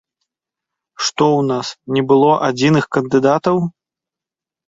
Што ў нас, не было адзіных кандыдатаў?